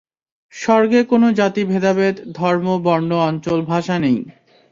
স্বর্গে কোন জাতি ভেদাভেদ, ধর্ম, বর্ণ, অঞ্চল, ভাষা নেই।